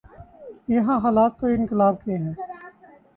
یہاں حالات کوئی انقلاب کے ہیں؟